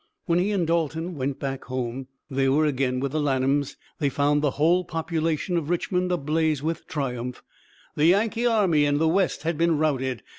When he and Dalton went back home they were again with the Lanhams they found the whole population of Richmond ablaze with triumph. The Yankee army in the West had been routed.